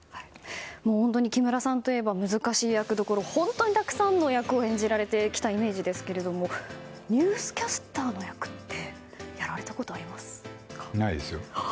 木村さんといえば難しい役どころ本当にたくさんの役を演じられてきたイメージですけれどもニュースキャスターの役ってないですよ。